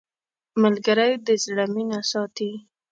ملګری د زړه مینه ساتي